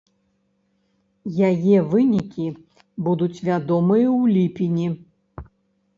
Яе вынікі будуць вядомыя ў ліпені.